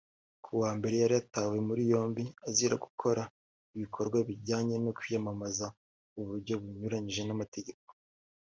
Ku wa mbere yari yatawe muri yombi azira gukora ibikorwa bijyanye no kwiyamamaza mu buryo bunyuranyije n’amategeko